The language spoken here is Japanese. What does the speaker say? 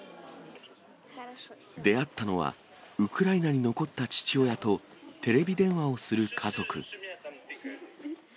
出会ったのは、ウクライナに残った父親と、テレビ電話をする家族。